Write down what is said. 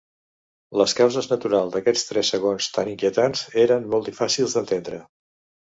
Les causes naturals d'aquests tres segons tan inquietants eren molt fàcils d'entendre.